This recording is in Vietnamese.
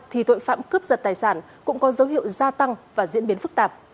thì tội phạm cướp giật tài sản cũng có dấu hiệu gia tăng và diễn biến phức tạp